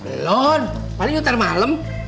belum paling ntar malem